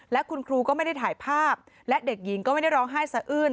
และคุณครูก็ไม่ได้ถ่ายภาพและเด็กหญิงก็ไม่ได้ร้องไห้สะอื้น